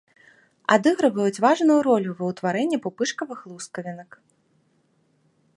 Адыгрываюць важную ролю ва ўтварэнні пупышкавых лускавінак.